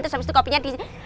terus habis itu kopinya di